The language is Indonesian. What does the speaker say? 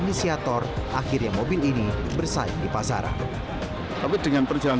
dan inisiator akhirnya mobil ini bersaing di pasaran